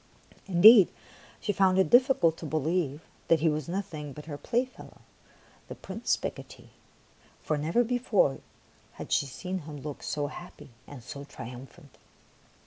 Indeed, she found it diffi cult to believe that he was nothing but her playfellow, the Prince Picotee, for never be fore had she seen him look so happy and so triumphant.